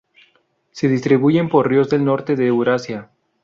Se distribuyen por ríos del norte de Eurasia.